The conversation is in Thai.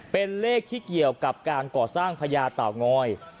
เป็นเลขที่เกี่ยวกับการก่อสร้างพญาเต่างอย